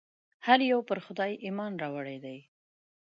هر یو پر خدای ایمان راوړی دی.